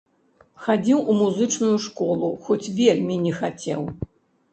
Хадзіў у музычную школу, хоць вельмі не хацеў.